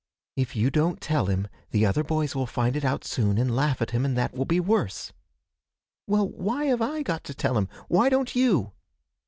'If you don't tell him, the other boys will find it out soon and laugh at him, and that will be worse.' 'Well, why have I got to tell him? Why don't you?'